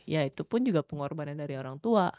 ya itu pun juga pengorbanan dari orang tua